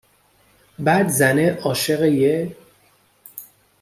بعد زنه عاشق یه